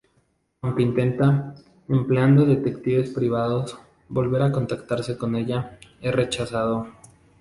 Aunque intenta, empleando detectives privados, volver a contactarse con ella, es rechazado.